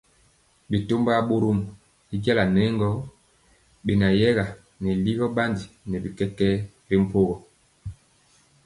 Bɛtɔmba bɔrɔm y jala nɛ gɔ beyɛga nɛ ligɔ bandi nɛ bi kɛkɛɛ ri mpogɔ.